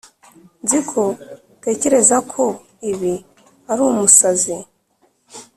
nzi ko utekereza ko ibi ari umusazi.